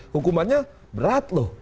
hukumannya berat loh